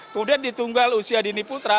kemudian di tunggal usia dini putra